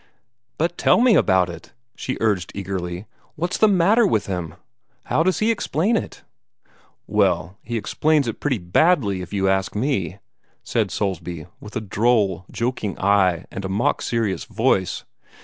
"But tell me about it!" she urged eagerly. "What's the matter with him? How does he explain it?" "Well, he explains it pretty badly, if you ask me," said Soulsby, with a droll, joking eye and a mock serious voice.